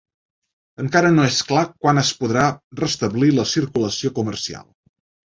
Encara no és clar quan es podrà restablir la circulació comercial.